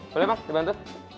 boleh bang dibantu